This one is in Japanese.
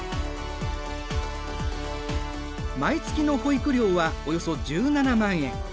毎月の保育料はおよそ１７万円。